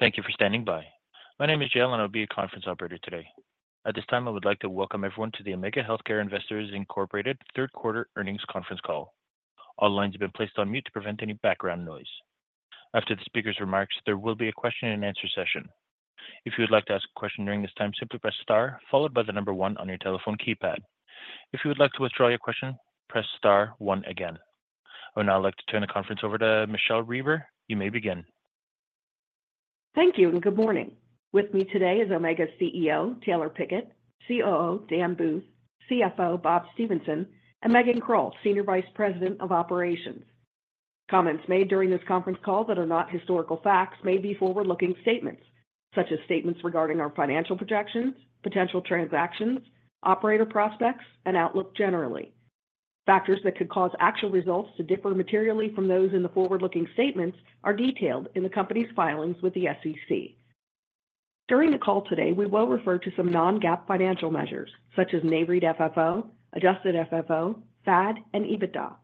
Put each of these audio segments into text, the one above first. Thank you for standing by. My name is Jal, and I'll be your conference operator today. At this time, I would like to welcome everyone to the Omega Healthcare Investors Incorporated third-quarter earnings conference call. All lines have been placed on mute to prevent any background noise. After the speaker's remarks, there will be a question-and-answer session. If you would like to ask a question during this time, simply press star followed by the number one on your telephone keypad. If you would like to withdraw your question, press star one again. I would now like to turn the conference over to Michele Reber. You may begin. Thank you, and good morning. With me today is Omega CEO, Taylor Pickett, COO, Dan Booth, CFO, Bob Stephenson, and Megan Krull, Senior Vice President of Operations. Comments made during this conference call that are not historical facts may be forward-looking statements, such as statements regarding our financial projections, potential transactions, operator prospects, and outlook generally. Factors that could cause actual results to differ materially from those in the forward-looking statements are detailed in the company's filings with the SEC. During the call today, we will refer to some non-GAAP financial measures, such as NAREIT FFO, adjusted FFO, FAD, and EBITDA.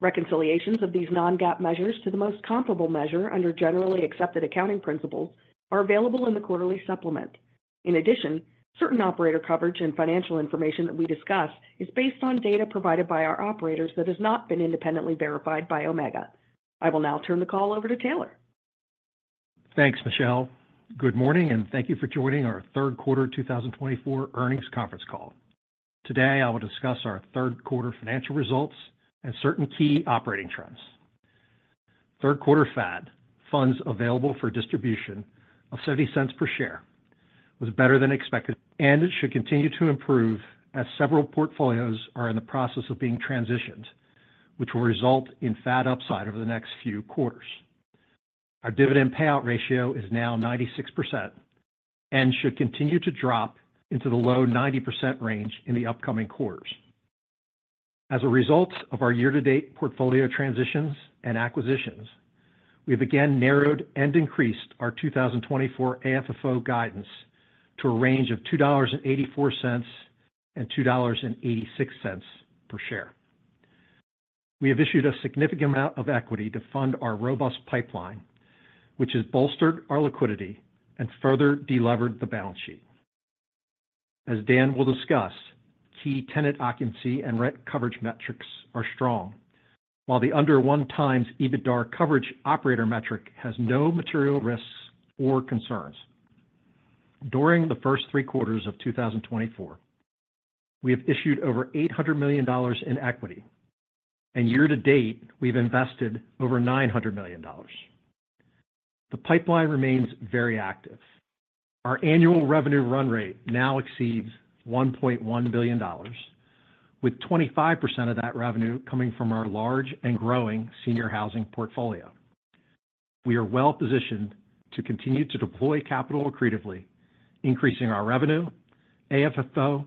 Reconciliations of these non-GAAP measures to the most comparable measure under generally accepted accounting principles are available in the quarterly supplement. In addition, certain operator coverage and financial information that we discuss is based on data provided by our operators that has not been independently verified by Omega. I will now turn the call over to Taylor. Thanks, Michele. Good morning, and thank you for joining our third quarter 2024 earnings conference call. Today, I will discuss our third quarter financial results and certain key operating trends. Third quarter FAD funds available for distribution of $0.70 per share was better than expected, and it should continue to improve as several portfolios are in the process of being transitioned, which will result in FAD upside over the next few quarters. Our dividend payout ratio is now 96% and should continue to drop into the low 90% range in the upcoming quarters. As a result of our year-to-date portfolio transitions and acquisitions, we have again narrowed and increased our 2024 AFFO guidance to a range of $2.84 and $2.86 per share. We have issued a significant amount of equity to fund our robust pipeline, which has bolstered our liquidity and further delevered the balance sheet. As Dan will discuss, key tenant occupancy and rent coverage metrics are strong, while the under 1x EBITDA coverage operator metric has no material risks or concerns. During the first three quarters of 2024, we have issued over $800 million in equity, and year-to-date, we've invested over $900 million. The pipeline remains very active. Our annual revenue run-rate now exceeds $1.1 billion, with 25% of that revenue coming from our large and growing senior housing portfolio. We are well-positioned to continue to deploy capital accretively, increasing our revenue, AFFO,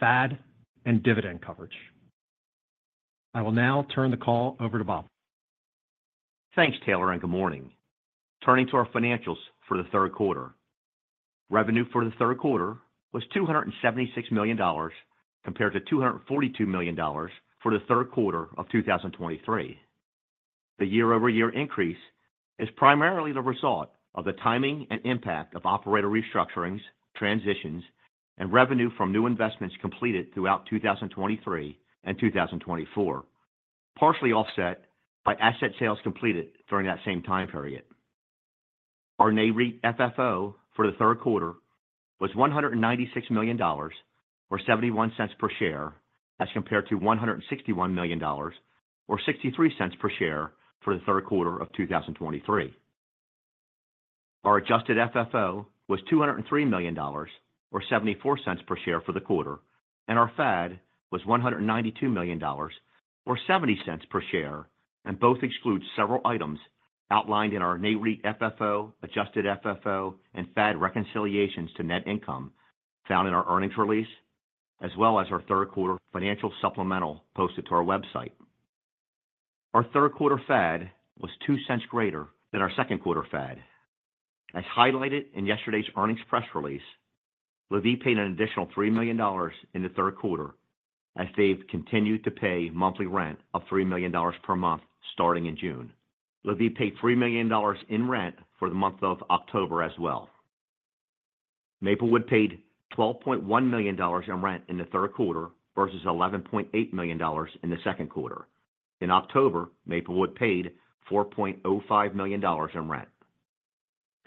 FAD, and dividend coverage. I will now turn the call over to Bob. Thanks, Taylor, and good morning. Turning to our financials for the third quarter, revenue for the third quarter was $276 million compared to $242 million for the third quarter of 2023. The year-over-year increase is primarily the result of the timing and impact of operator restructurings, transitions, and revenue from new investments completed throughout 2023 and 2024, partially offset by asset sales completed during that same time period. Our NAREIT FFO for the third quarter was $196 million or $0.71 per share as compared to $161 million or $0.63 per share for the third quarter of 2023. Our adjusted FFO was $203 million or $0.74 per share for the quarter, and our FAD was $192 million or $0.70 per share, and both exclude several items outlined in our NAREIT FFO, adjusted FFO, and FAD reconciliations to net income found in our earnings release, as well as our third-quarter financial supplemental posted to our website. Our third quarter FAD was $0.02 greater than our second quarter FAD. As highlighted in yesterday's earnings press release, LaVie paid an additional $3 million in the third quarter as they've continued to pay monthly rent of $3 million per month starting in June. LaVie paid $3 million in rent for the month of October as well. Maplewood paid $12.1 million in rent in the third quarter versus $11.8 million in the second quarter. In October, Maplewood paid $4.05 million in rent.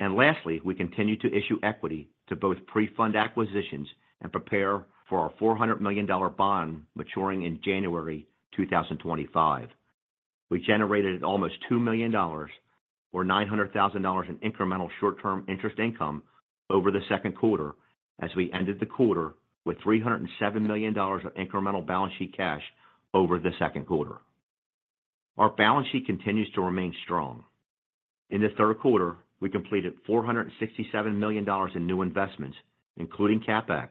Lastly, we continue to issue equity to both pre-fund acquisitions and prepare for our $400 million bond maturing in January 2025. We generated almost $2 million or $900,000 in incremental short-term interest income over the second quarter as we ended the quarter with $307 million of incremental balance sheet cash over the second quarter. Our balance sheet continues to remain strong. In the third quarter, we completed $467 million in new investments, including CapEx,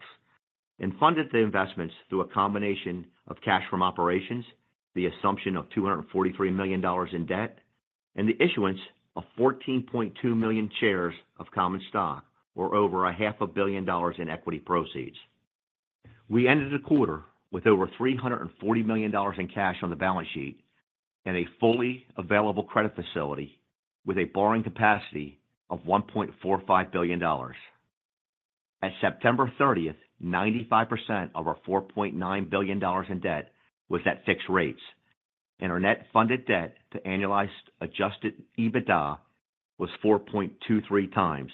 and funded the investments through a combination of cash from operations, the assumption of $243 million in debt, and the issuance of 14.2 million shares of common stock or over $500 million in equity proceeds. We ended the quarter with over $340 million in cash on the balance sheet and a fully available credit facility with a borrowing capacity of $1.45 billion. At September 30th, 95% of our $4.9 billion in debt was at fixed rates, and our net funded debt-to-annualized adjusted EBITDA was 4.23x,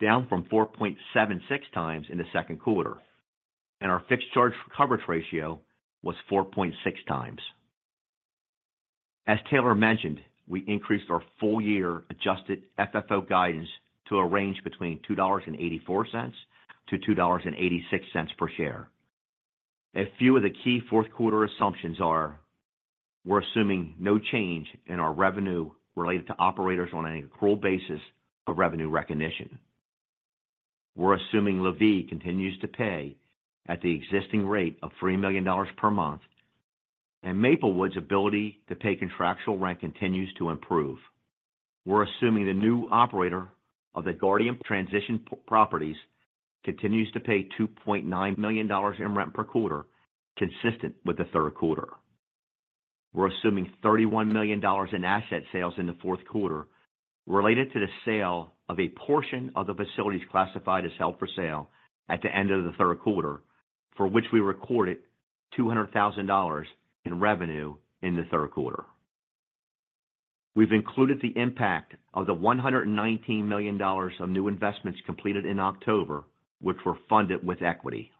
down from 4.76x in the second quarter, and our fixed charge coverage ratio was 4.6x. As Taylor mentioned, we increased our full year adjusted FFO guidance to a range between $2.84-$2.86 per share. A few of the key fourth quarter assumptions are we're assuming no change in our revenue related to operators on an accrual basis of revenue recognition. We're assuming LaVie continues to pay at the existing rate of $3 million per month, and Maplewood's ability to pay contractual rent continues to improve. We're assuming the new operator of the Guardian Transition Properties continues to pay $2.9 million in rent per quarter, consistent with the third quarter. We're assuming $31 million in asset sales in the fourth quarter related to the sale of a portion of the facilities classified as held for sale at the end of the third quarter, for which we recorded $200,000 in revenue in the third quarter. We've included the impact of the $119 million of new investments completed in October, which were funded with equity.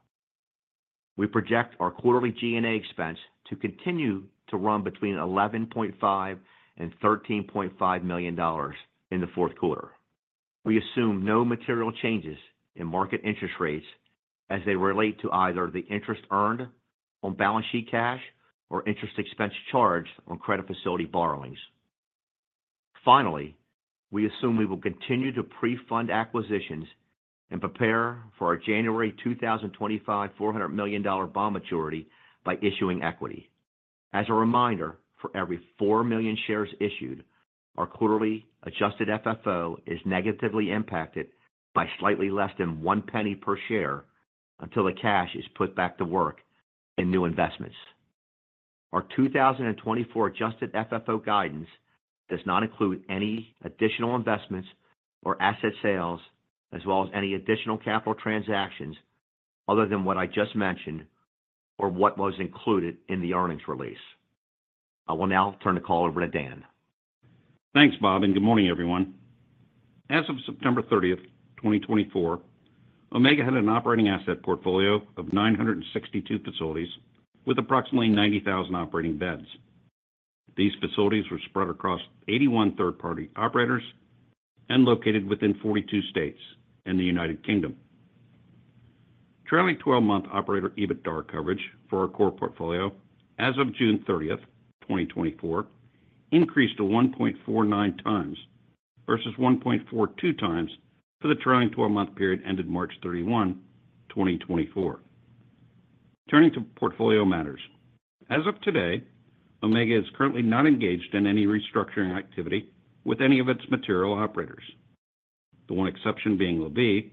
We project our quarterly G&A expense to continue to run between $11.5 million and $13.5 million in the fourth quarter. We assume no material changes in market interest rates as they relate to either the interest earned on balance sheet cash or interest expense charged on credit facility borrowings. Finally, we assume we will continue to pre-fund acquisitions and prepare for our January 2025 $400 million bond maturity by issuing equity. As a reminder, for every 4 million shares issued, our quarterly adjusted FFO is negatively impacted by slightly less than one penny per share until the cash is put back to work in new investments. Our 2024 adjusted FFO guidance does not include any additional investments or asset sales, as well as any additional capital transactions other than what I just mentioned or what was included in the earnings release. I will now turn the call over to Dan. Thanks, Bob, and good morning, everyone. As of September 30th, 2024, Omega had an operating asset portfolio of 962 facilities with approximately 90,000 operating beds. These facilities were spread across 81 third-party operators and located within 42 states and the United Kingdom. Trailing 12-month operator EBITDA coverage for our core portfolio as of June 30th, 2024, increased to 1.49x versus 1.42x for the trailing 12-month period ended March 31, 2024. Turning to portfolio matters, as of today, Omega is currently not engaged in any restructuring activity with any of its material operators, the one exception being LaVie,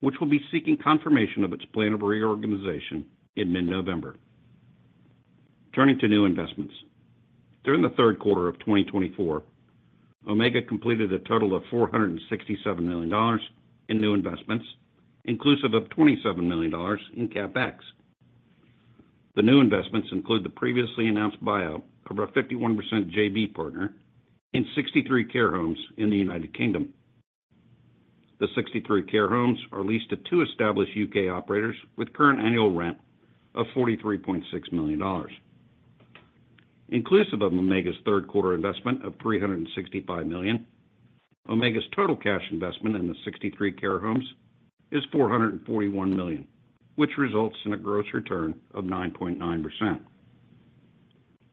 which will be seeking confirmation of its plan of reorganization in mid-November. Turning to new investments, during the third quarter of 2024, Omega completed a total of $467 million in new investments, inclusive of $27 million in CapEx. The new investments include the previously announced buyout of a 51% JV partner in 63 care homes in the United Kingdom. The 63 care homes are leased to two established U.K. operators with current annual rent of $43.6 million. Inclusive of Omega's third quarter investment of $365 million, Omega's total cash investment in the 63 care homes is $441 million, which results in a gross return of 9.9%.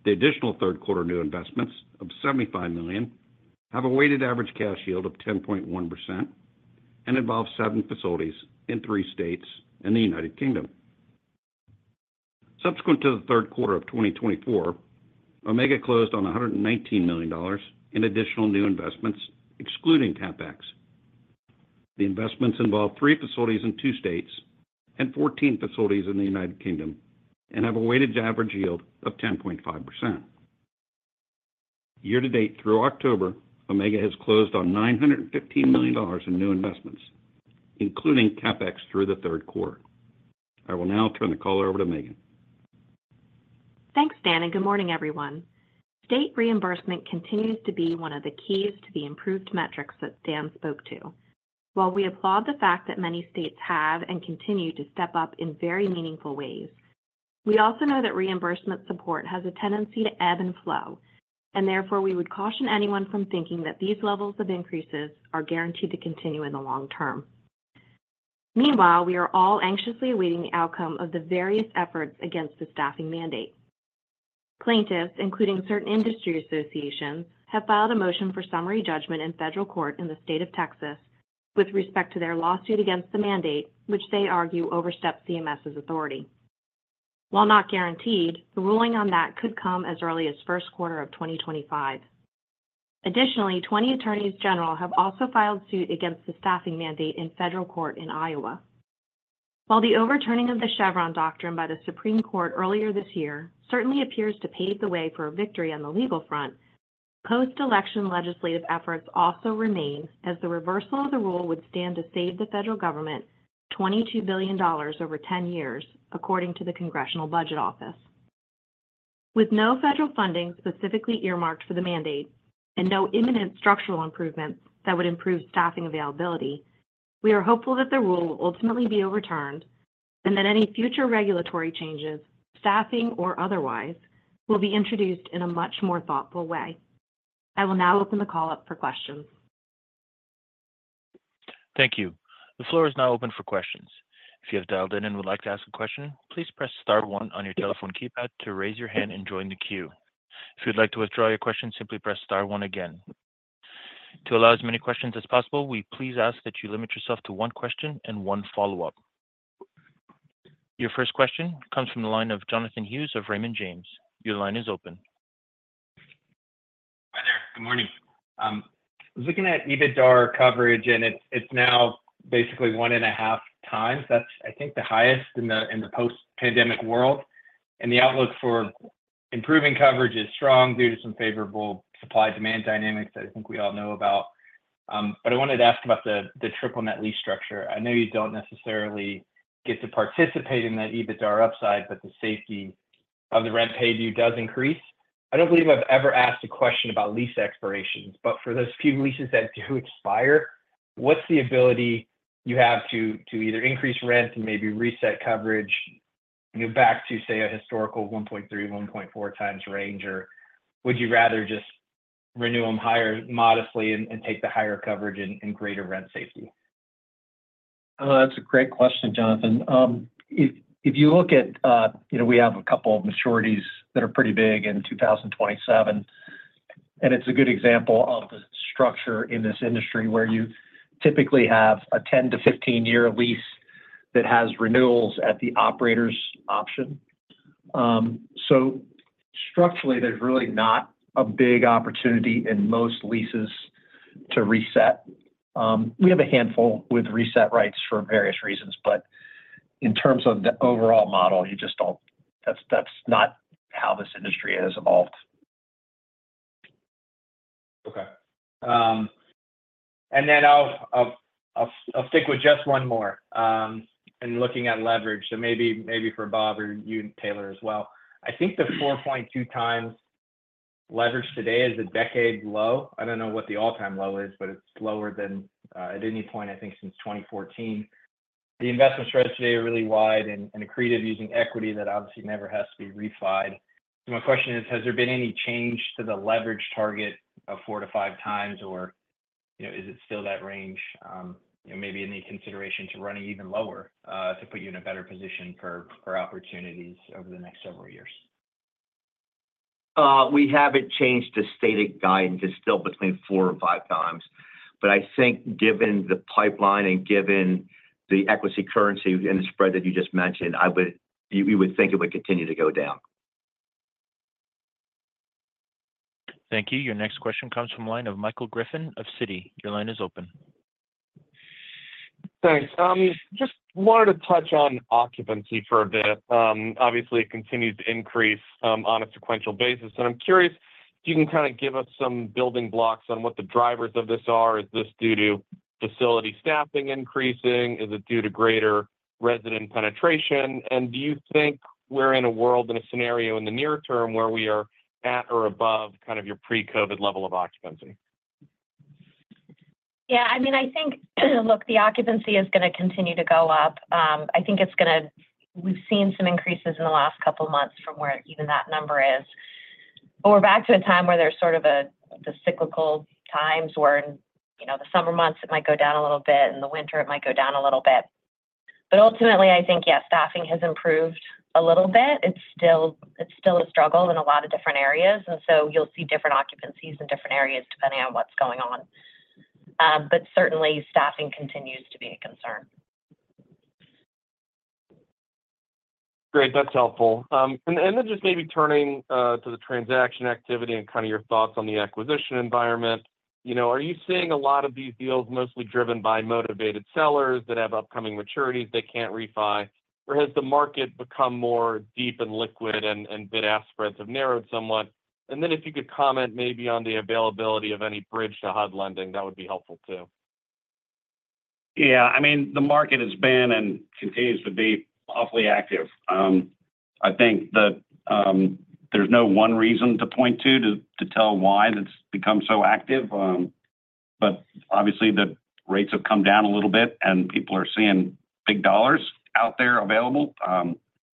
The additional third quarter new investments of $75 million have a weighted average cash yield of 10.1% and involve seven facilities in three states in the United Kingdom. Subsequent to the third quarter of 2024, Omega closed on $119 million in additional new investments, excluding CapEx. The investments involve three facilities in two states and 14 facilities in the United Kingdom and have a weighted average yield of 10.5%. Year-to-date through October, Omega has closed on $915 million in new investments, including CapEx through the third quarter. I will now turn the call over to Megan. Thanks, Dan, and good morning, everyone. State reimbursement continues to be one of the keys to the improved metrics that Dan spoke to. While we applaud the fact that many states have and continue to step up in very meaningful ways, we also know that reimbursement support has a tendency to ebb and flow, and therefore we would caution anyone from thinking that these levels of increases are guaranteed to continue in the long term. Meanwhile, we are all anxiously awaiting the outcome of the various efforts against the staffing mandate. Plaintiffs, including certain industry associations, have filed a motion for summary judgment in federal court in the state of Texas with respect to their lawsuit against the mandate, which they argue oversteps CMS's authority. While not guaranteed, the ruling on that could come as early as first quarter of 2025. Additionally, 20 attorneys general have also filed suit against the staffing mandate in federal court in Iowa. While the overturning of the Chevron doctrine by the Supreme Court earlier this year certainly appears to pave the way for a victory on the legal front, post-election legislative efforts also remain as the reversal of the rule would stand to save the Federal Government $22 billion over 10 years, according to the Congressional Budget Office. With no federal funding specifically earmarked for the mandate and no imminent structural improvements that would improve staffing availability, we are hopeful that the rule will ultimately be overturned and that any future regulatory changes, staffing or otherwise, will be introduced in a much more thoughtful way. I will now open the call up for questions. Thank you. The floor is now open for questions. If you have dialed in and would like to ask a question, please press star one on your telephone keypad to raise your hand and join the queue. If you'd like to withdraw your question, simply press star one again. To allow as many questions as possible, we please ask that you limit yourself to one question and one follow-up. Your first question comes from the line of Jonathan Hughes of Raymond James. Your line is open. Hi there. Good morning. I was looking at EBITDA coverage, and it's now basically 1.5x. That's, I think, the highest in the post-pandemic world. And the outlook for improving coverage is strong due to some favorable supply-demand dynamics that I think we all know about. But I wanted to ask about the triple net lease structure. I know you don't necessarily get to participate in that EBITDA upside, but the safety of the rent payment does increase. I don't believe I've ever asked a question about lease expirations, but for those few leases that do expire, what's the ability you have to either increase rent and maybe reset coverage back to, say, a historical 1.3x-1.4x range, or would you rather just renew them higher modestly and take the higher coverage and greater rent safety? That's a great question, Jonathan. If you look at, we have a couple of maturities that are pretty big in 2027, and it's a good example of the structure in this industry where you typically have a 10- to 15-year lease that has renewals at the operator's option. So structurally, there's really not a big opportunity in most leases to reset. We have a handful with reset rights for various reasons, but in terms of the overall model, you just don't. That's not how this industry has evolved. Okay, and then I'll stick with just one more and looking at leverage. So maybe for Bob or you, Taylor, as well. I think the 4.2x leverage today is a decade low. I don't know what the all-time low is, but it's lower than at any point, I think, since 2014. The investment strategy today is really wide and accretive using equity that obviously never has to be repaid. So my question is, has there been any change to the leverage target of 4x to 5x, or is it still that range? Maybe any consideration to running even lower to put you in a better position for opportunities over the next several years? We haven't changed the stated guidance. It's still between 4x and 5x. But I think given the pipeline and given the equity currency and the spread that you just mentioned, we would think it would continue to go down. Thank you. Your next question comes from the line of Michael Griffin of Citi. Your line is open. Thanks. Just wanted to touch on occupancy for a bit. Obviously, it continues to increase on a sequential basis. And I'm curious if you can kind of give us some building blocks on what the drivers of this are. Is this due to facility staffing increasing? Is it due to greater resident penetration? And do you think we're in a world and a scenario in the near term where we are at or above kind of your pre-COVID level of occupancy? Yeah. I mean, I think, look, the occupancy is going to continue to go up. I think it's going to. We've seen some increases in the last couple of months from where even that number is, but we're back to a time where there's sort of the cyclical times where in the summer months it might go down a little bit, in the winter it might go down a little bit, but ultimately, I think, yeah, staffing has improved a little bit. It's still a struggle in a lot of different areas. And so you'll see different occupancies in different areas depending on what's going on, but certainly, staffing continues to be a concern. Great. That's helpful. And then just maybe turning to the transaction activity and kind of your thoughts on the acquisition environment. Are you seeing a lot of these deals mostly driven by motivated sellers that have upcoming maturities they can't refy, or has the market become more deep and liquid and bid-ask spreads have narrowed somewhat? And then if you could comment maybe on the availability of any bridge to HUD lending, that would be helpful too. Yeah. I mean, the market has been and continues to be awfully active. I think there's no one reason to point to to tell why that's become so active. But obviously, the rates have come down a little bit, and people are seeing big dollars out there available.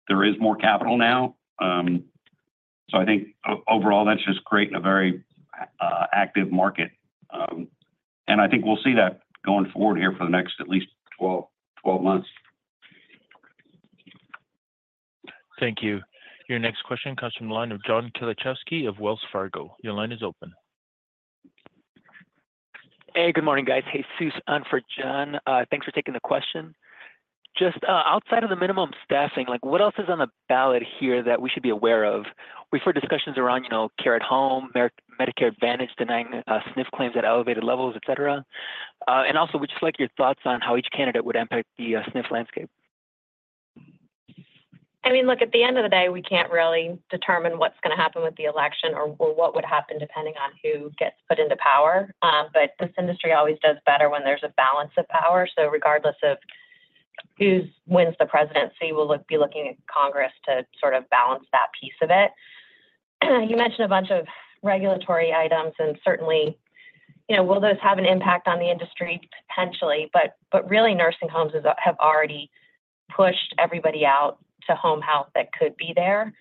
There is more capital now. So I think overall, that's just creating a very active market. And I think we'll see that going forward here for the next at least 12 months. Thank you. Your next question comes from the line of John Kilichowski of Wells Fargo. Your line is open. Hey, good morning, guys. Hey, [Cy Sun] for John. Thanks for taking the question. Just outside of the minimum staffing, what else is on the ballot here that we should be aware of? We've heard discussions around care at home, Medicare Advantage denying SNF claims at elevated levels, etc. And also, we'd just like your thoughts on how each candidate would impact the SNF landscape. I mean, look, at the end of the day, we can't really determine what's going to happen with the election or what would happen depending on who gets put into power. But this industry always does better when there's a balance of power. So regardless of who wins the presidency, we'll be looking at Congress to sort of balance that piece of it. You mentioned a bunch of regulatory items, and certainly, will those have an impact on the industry potentially? But really, nursing homes have already pushed everybody out to home health that could be there.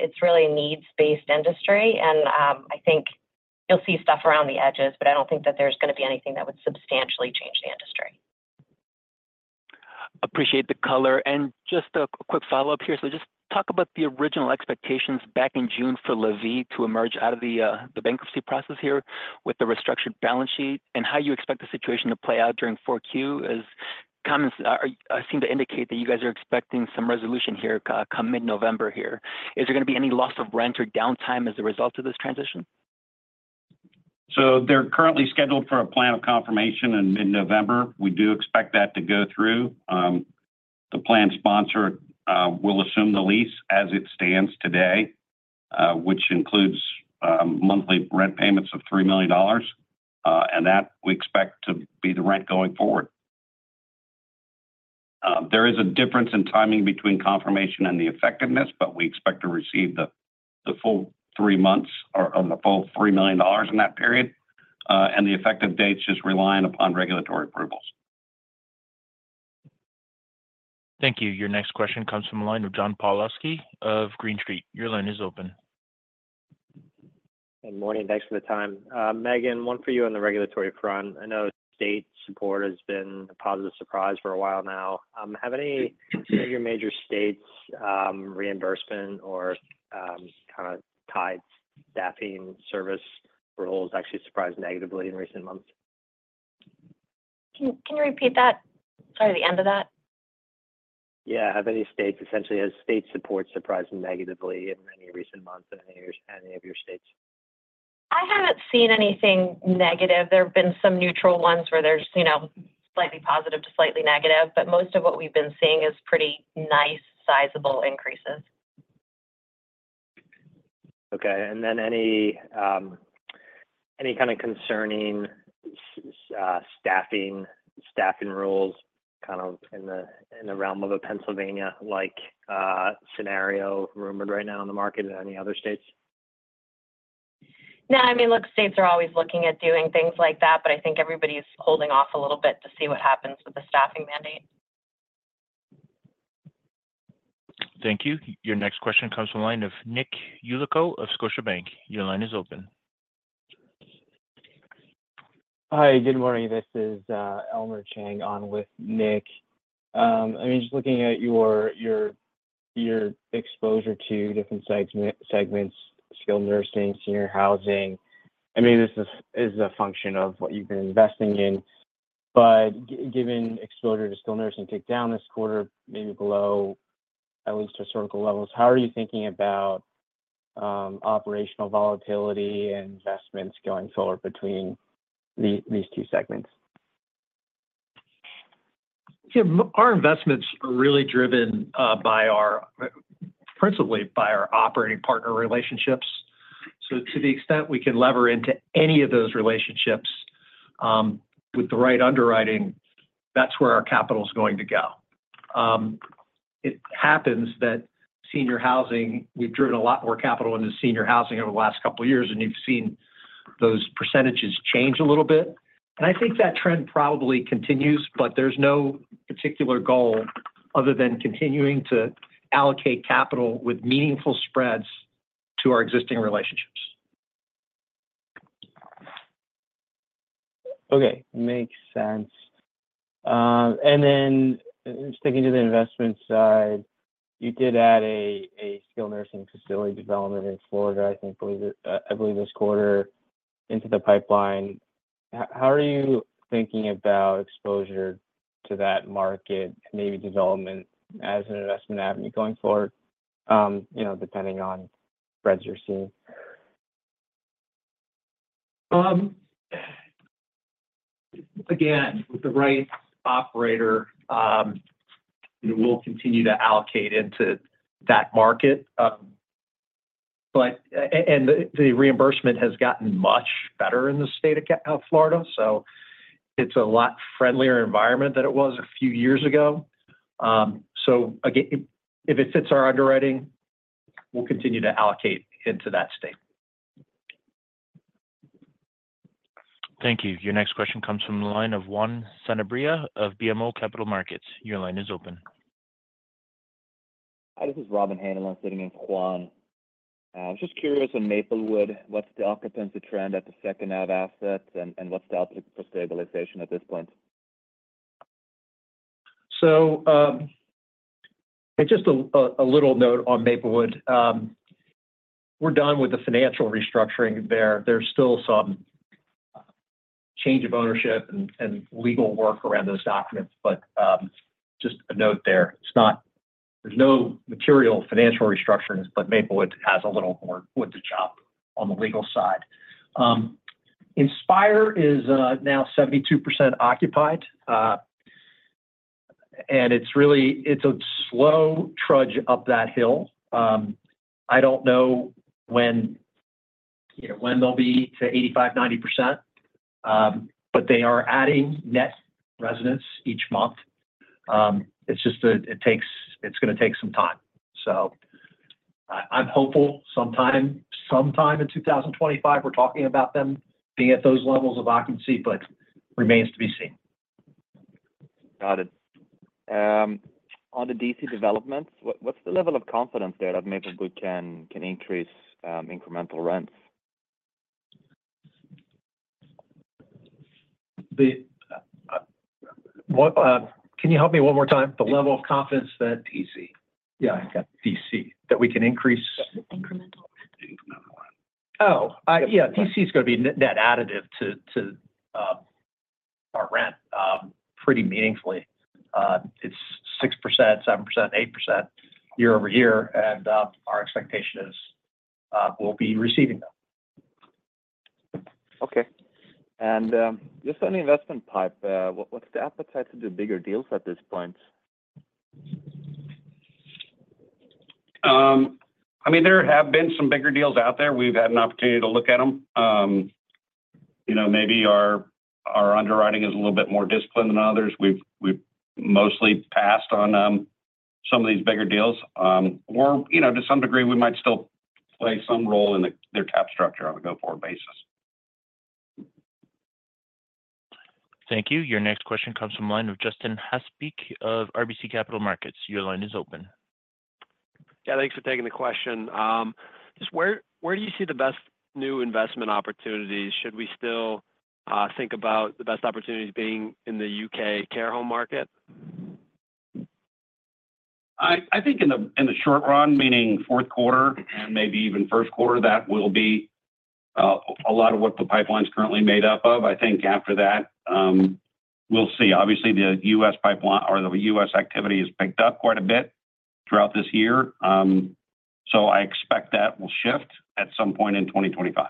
It's really a needs-based industry. And I think you'll see stuff around the edges, but I don't think that there's going to be anything that would substantially change the industry. Appreciate the color. Just a quick follow-up here. Just talk about the original expectations back in June for LaVie to emerge out of the bankruptcy process here with the restructured balance sheet and how you expect the situation to play out during 4Q. Comments seem to indicate that you guys are expecting some resolution here come mid-November here. Is there going to be any loss of rent or downtime as a result of this transition? They're currently scheduled for a plan of confirmation in mid-November. We do expect that to go through. The plan sponsor will assume the lease as it stands today, which includes monthly rent payments of $3 million. That we expect to be the rent going forward. There is a difference in timing between confirmation and the effectiveness, but we expect to receive the full three months or the full $3 million in that period. The effective date's just relying upon regulatory approvals. Thank you. Your next question comes from the line of John Pawlowski of Green Street. Your line is open. Good morning. Thanks for the time. Megan, one for you on the regulatory front. I know state support has been a positive surprise for a while now. Have any of your major states' reimbursement or kind of tied staffing service roles actually surprised negatively in recent months? Can you repeat that? Sorry, the end of that? Yeah. Have any states essentially had state support surprised negatively in any recent months in any of your states? I haven't seen anything negative. There have been some neutral ones where there's slightly positive to slightly negative, but most of what we've been seeing is pretty nice, sizable increases. Okay. And then any kind of concerning staffing rules kind of in the realm of a Pennsylvania-like scenario rumored right now in the market in any other states? No. I mean, look, states are always looking at doing things like that, but I think everybody's holding off a little bit to see what happens with the staffing mandate. Thank you. Your next question comes from the line of Nick Yulico of Scotiabank. Your line is open. Hi. Good morning. This is Elmer Chang on with Nick. I mean, just looking at your exposure to different segments, skilled nursing, senior housing. I mean, this is a function of what you've been investing in. But given exposure to skilled nursing kicked down this quarter, maybe below at least historical levels, how are you thinking about operational volatility and investments going forward between these two segments? Our investments are really driven principally by our operating partner relationships. So to the extent we can lever into any of those relationships with the right underwriting, that's where our capital is going to go. It happens that senior housing, we've driven a lot more capital into senior housing over the last couple of years, and you've seen those percentages change a little bit, and I think that trend probably continues, but there's no particular goal other than continuing to allocate capital with meaningful spreads to our existing relationships. Okay. Makes sense. And then just thinking to the investment side, you did add a skilled nursing facility development in Florida, I believe, this quarter into the pipeline. How are you thinking about exposure to that market, maybe development as an investment avenue going forward, depending on spreads you're seeing? Again, with the right operator, we'll continue to allocate into that market. And the reimbursement has gotten much better in the state of Florida. So it's a lot friendlier environment than it was a few years ago. So if it fits our underwriting, we'll continue to allocate into that state. Thank you. Your next question comes from the line of Juan Sanabria of BMO Capital Markets. Your line is open. Hi. This is Robin Haneland sitting in for Juan. I was just curious on Maplewood, what's the occupancy trend at the second-half assets, and what's the outlook for stabilization at this point? So just a little note on Maplewood. We're done with the financial restructuring there. There's still some change of ownership and legal work around those documents. But just a note there. There's no material financial restructuring, but Maplewood has a little more wood to chop on the legal side. Inspire is now 72% occupied. And it's a slow trudge up that hill. I don't know when they'll be to 85%-90%, but they are adding net residents each month. It's going to take some time. So I'm hopeful sometime in 2025 we're talking about them being at those levels of occupancy, but remains to be seen. Got it. On the DC developments, what's the level of confidence there that Maplewood can increase incremental rents? Can you help me one more time? The level of confidence that D.C. Yeah, I got D.C. That we can increase. Oh, yeah. D.C. is going to be net additive to our rent pretty meaningfully. It's 6%, 7%, 8% year over year. And our expectation is we'll be receiving them. Okay. And just on the investment pipe, what's the appetite to do bigger deals at this point? I mean, there have been some bigger deals out there. We've had an opportunity to look at them. Maybe our underwriting is a little bit more disciplined than others. We've mostly passed on some of these bigger deals. Or to some degree, we might still play some role in their cap structure on a go-forward basis. Thank you. Your next question comes from the line of Justin Haasbeek of RBC Capital Markets. Your line is open. Yeah. Thanks for taking the question. Just where do you see the best new investment opportunities? Should we still think about the best opportunities being in the U.K. care home market? I think in the short run, meaning fourth quarter and maybe even first quarter, that will be a lot of what the pipeline's currently made up of. I think after that, we'll see. Obviously, the U.S. pipeline or the U.S. activity has picked up quite a bit throughout this year. So I expect that will shift at some point in 2025.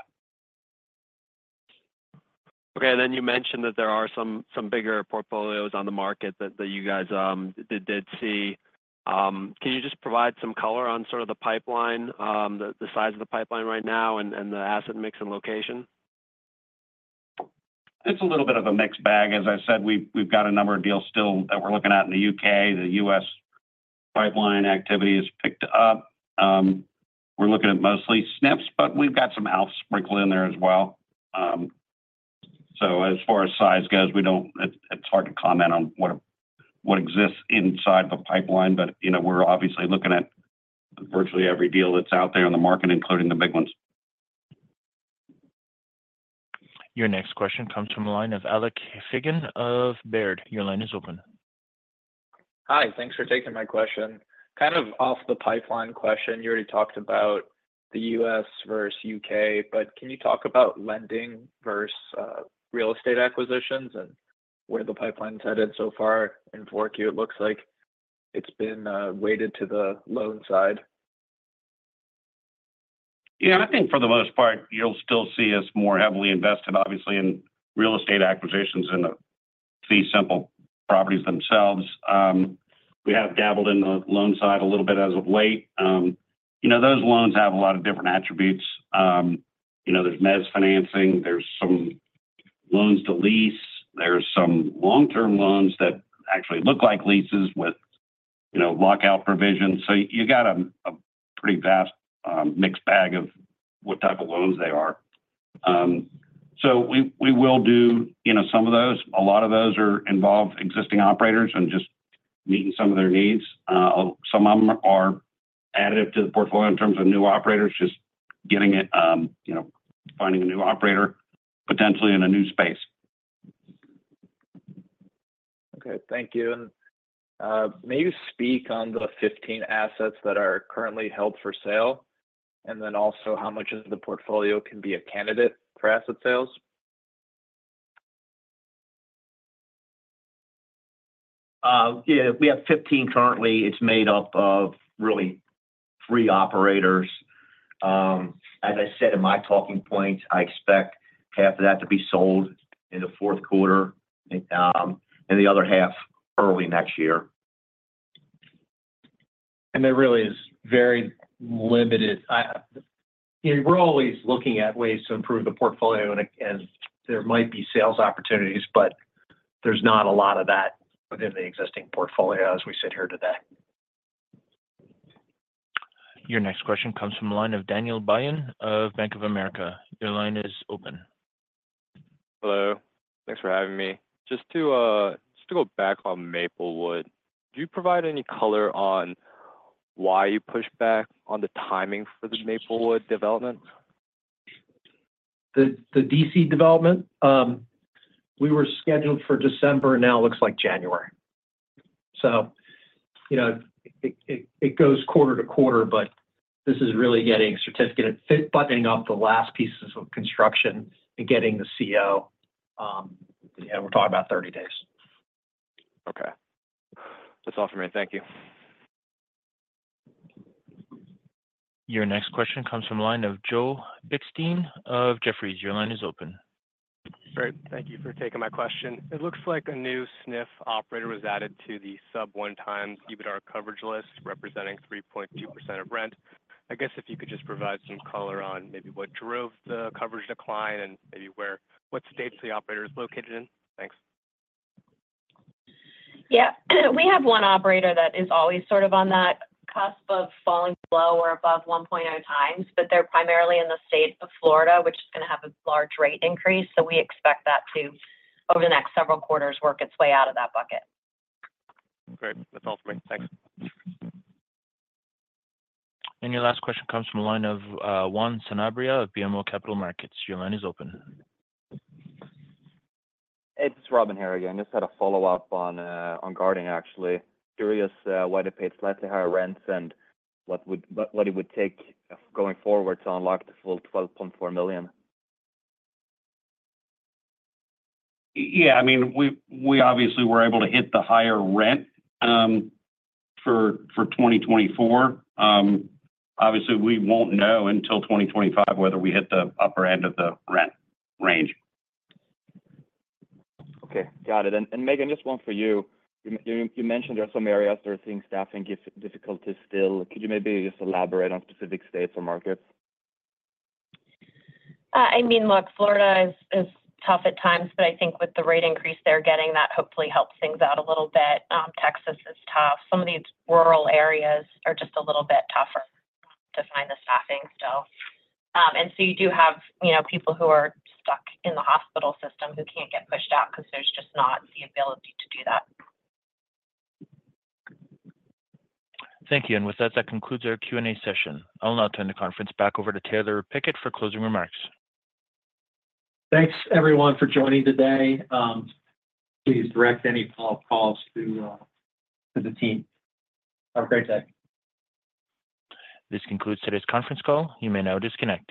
Okay. And then you mentioned that there are some bigger portfolios on the market that you guys did see. Can you just provide some color on sort of the pipeline, the size of the pipeline right now, and the asset mix and location? It's a little bit of a mixed bag. As I said, we've got a number of deals still that we're looking at in the U.K. The U.S. pipeline activity has picked up. We're looking at mostly SNFs, but we've got some [ALFs] in there as well. So as far as size goes, it's hard to comment on what exists inside the pipeline, but we're obviously looking at virtually every deal that's out there in the market, including the big ones. Your next question comes from the line of Alec Feygin of Baird. Your line is open. Hi. Thanks for taking my question. Kind of off the pipeline question, you already talked about the U.S. versus U.K. But can you talk about lending versus real estate acquisitions and where the pipeline's headed so far? In 4Q, it looks like it's been weighted to the loan side. Yeah. I think for the most part, you'll still see us more heavily invested, obviously, in real estate acquisitions and the simple properties themselves. We have dabbled in the loan side a little bit as of late. Those loans have a lot of different attributes. There's Mezz financing. There's some loans to lease. There's some long-term loans that actually look like leases with lockout provisions. So you've got a pretty vast mixed bag of what type of loans they are. So we will do some of those. A lot of those are involved existing operators and just meeting some of their needs. Some of them are additive to the portfolio in terms of new operators, just finding a new operator potentially in a new space. Okay. Thank you. And may you speak on the 15 assets that are currently held for sale? And then also, how much of the portfolio can be a candidate for asset sales? Yeah. We have 15 currently. It's made up of really three operators. As I said in my talking points, I expect half of that to be sold in the fourth quarter and the other half early next year, and there really is very limited. We're always looking at ways to improve the portfolio, and there might be sales opportunities, but there's not a lot of that within the existing portfolio as we sit here today. Your next question comes from the line of Daniel Byun of Bank of America. Your line is open. Hello. Thanks for having me. Just to go back on Maplewood, do you provide any color on why you pushed back on the timing for the Maplewood development? The DC development? We were scheduled for December, and now it looks like January. So it goes quarter to quarter, but this is really getting certificate of fitness, buttoning up the last pieces of construction and getting the CO. And we're talking about 30 days. Okay. That's all for me. Thank you. Your next question comes from the line of Joel Bitstein of Jefferies. Your line is open. Great. Thank you for taking my question. It looks like a new SNF operator was added to the sub 1x EBITDA coverage list, representing 3.2% of rent. I guess if you could just provide some color on maybe what drove the coverage decline and maybe what state the operator is located in? Thanks. Yeah. We have one operator that is always sort of on that cusp of falling below or above 1.0x, but they're primarily in the state of Florida, which is going to have a large rate increase. So we expect that to, over the next several quarters, work its way out of that bucket. Great. That's all for me. Thanks. Your last question comes from the line of Juan Sanabria of BMO Capital Markets. Your line is open. Hey. This is Robin here again. Just had a follow-up on Guardian, actually. Curious why they paid slightly higher rents and what it would take going forward to unlock the full $12.4 million. Yeah. I mean, we obviously were able to hit the higher rent for 2024. Obviously, we won't know until 2025 whether we hit the upper end of the rent range. Okay. Got it. And Megan, just one for you. You mentioned there are some areas where seeing staffing difficulties still. Could you maybe just elaborate on specific states or markets? I mean, look, Florida is tough at times, but I think with the rate increase they're getting, that hopefully helps things out a little bit. Texas is tough. Some of these rural areas are just a little bit tougher to find the staffing, still. And so you do have people who are stuck in the hospital system who can't get pushed out because there's just not the ability to do that. Thank you. And with that, that concludes our Q&A session. I'll now turn the conference back over to Taylor Pickett for closing remarks. Thanks, everyone, for joining today. Please direct any follow-up calls to the team. Have a great day. This concludes today's conference call. You may now disconnect.